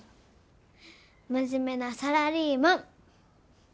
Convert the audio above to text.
真面目なサラリーマン！